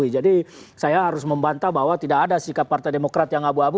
jadi saya harus membantah bahwa tidak ada sikap partai demokrat yang abu abu